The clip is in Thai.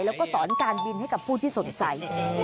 แล้วก็สอนการบินให้กับผู้ที่สนใจ